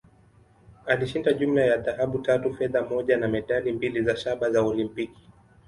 Alishinda jumla ya dhahabu tatu, fedha moja, na medali mbili za shaba za Olimpiki.